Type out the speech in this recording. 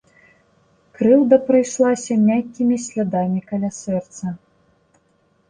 Крыўда прайшлася мяккімі слядамі каля сэрца.